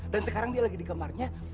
dan sekarang dia lagi di kamarnya